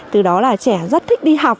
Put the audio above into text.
từ đó là trẻ rất thích đi học